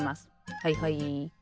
はいはい。